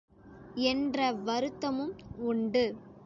என்ற வருத்தமும் உண்டு.